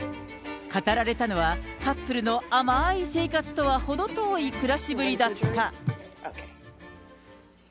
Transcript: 語られたのはカップルの甘い生活とは程遠い暮らしぶりだった。